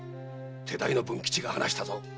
手代の文吉が話したぞ。